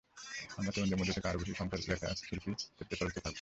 আমরা তরুণদের মধ্য থেকে আরও বেশি সংখ্যা শিল্প-লেখক তৈরিতে সচেষ্ট থাকব।